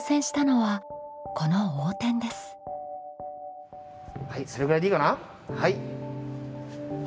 はい。